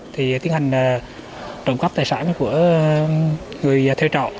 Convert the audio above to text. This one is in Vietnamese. thì tiến hành trộm cắp tài sản của người thuê trọ